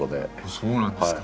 そうなんですか。